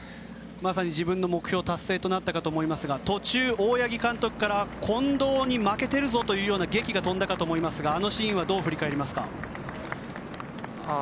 まさに自分の目標達成となりましたが途中、大八木監督から近藤に負けているぞというような檄が飛んだかと思いますがあのシーンはどう振り返りますか？